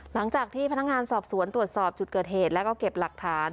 หลังจากที่พนักงานสอบสวนตรวจสอบจุดเกิดเหตุแล้วก็เก็บหลักฐาน